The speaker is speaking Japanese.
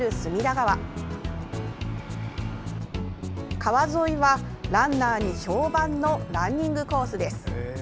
川沿いはランナーに評判のランニングコースです。